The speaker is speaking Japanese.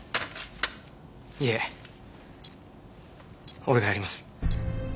いえ俺がやります。